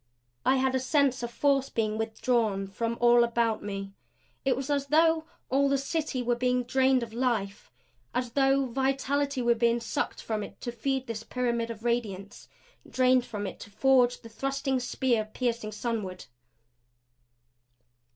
I had a sense of force being withdrawn from all about me. It was as though all the City were being drained of life as though vitality were being sucked from it to feed this pyramid of radiance; drained from it to forge the thrusting spear piercing sunward.